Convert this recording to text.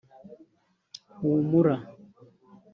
Humura